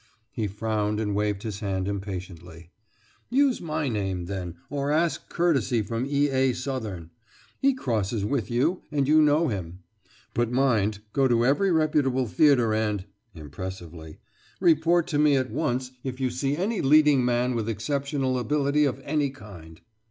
He frowned and waved his hand impatiently. "Use my name, then, or ask courtesy from E. A. Sothern. He crosses with you and you know him. But mind, go to every reputable theatre, and," impressively, "report to me at once if you see any leading man with exceptional ability of any kind."